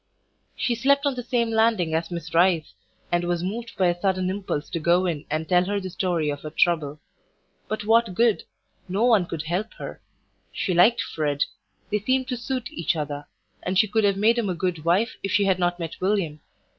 She slept on the same landing as Miss Rice, and was moved by a sudden impulse to go in and tell her the story of her trouble. But what good? No one could help her. She liked Fred; they seemed to suit each other, and she could have made him a good wife if she had not met William.